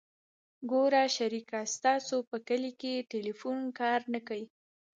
ګوره شريکه ستاسو په کلي کښې ټېلفون کار نه کيي.